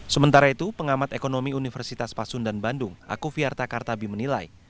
sementara itu pengamat ekonomi universitas pasundan bandung akuviarta kartabi menilai